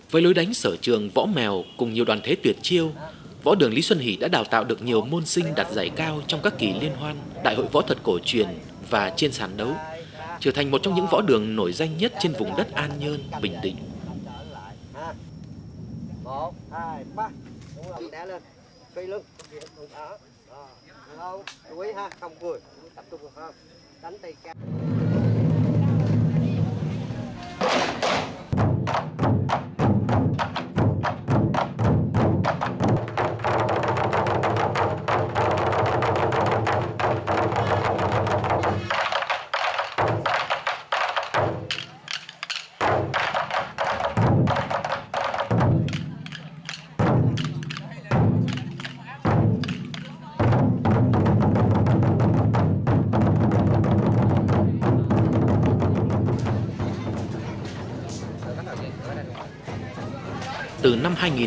với lối đánh sở trường võ mèo cùng nhiều đoàn thế tuyệt chiêu võ đường lý xuân hỷ đã đào tạo được nhiều môn sinh đạt giải cao trong các kỳ liên hoan đại hội võ thuật cổ truyền và chiên sáng đấu trở thành một trong những võ đường nổi danh nhất trên vùng đất an nhơn bình định